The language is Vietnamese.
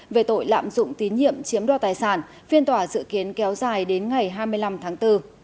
về tội lạm dụng tín nhiệm chiếm đo tài sản phiên tòa dự kiến kéo dài đến ngày hai mươi năm tháng bốn